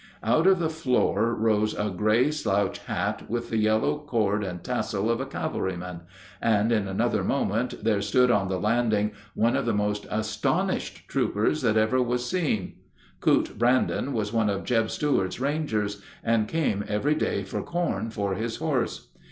Out of the floor rose a gray slouch hat with the yellow cord and tassel of a cavalryman, and in another moment there stood on the landing one of the most astonished troopers that ever was seen. "Coot" Brandon was one of "Jeb" Stuart's rangers, and came every day for corn for his horse.